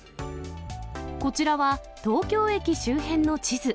こちらは、東京駅周辺の地図。